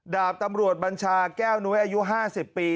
ดาบตำรวจบัญชาแก้วนุ้ยอายุ๕๐ปี